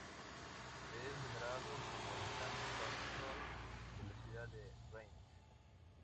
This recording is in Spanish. Es venerado como el santo patrón de la ciudad de Reims.